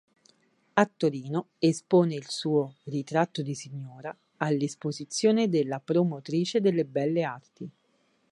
A Torino espose il suo "Ritratto di signora" all'Esposizione della Promotrice delle Belle Arti.